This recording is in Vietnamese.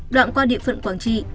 đoạn qua địa phận quảng trị